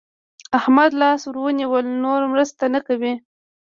احمد لاس ور ونيول؛ نور مرسته نه کوي.